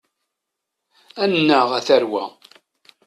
Annaɣ, a tarwa!